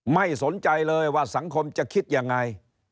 ไม่สนใจเลยว่าสังคมจะคิดยังไง